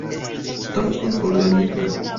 Dankon por la ligo.